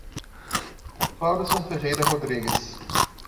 Claudeson Ferreira Rodrigues